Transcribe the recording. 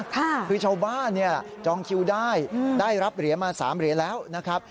คือชาวบ้านเนี่ยจองคิวได้ได้รับเหรียญมา๓เหรียญแล้วนะครับ